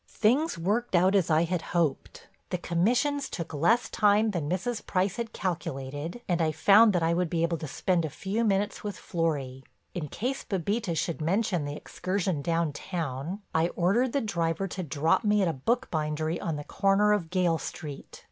"Things worked out as I had hoped. The commissions took less time than Mrs. Price had calculated and I found that I would be able to spend a few minutes with Florry. In case Bébita should mention the excursion downtown, I ordered the driver to drop me at a bookbindery on the corner of Gale Street.